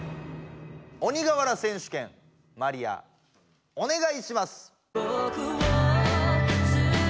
鬼瓦選手権マリアおねがいします！